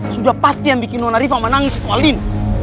sudah pasti yang bikin nona rifa menangis itu aldin